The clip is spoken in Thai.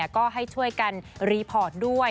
ก็ให้ช่วยกันรีพอร์ตด้วย